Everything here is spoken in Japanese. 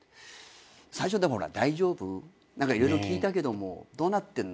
最初でもほら「大丈夫？何か色々聞いたけどもどうなってんの？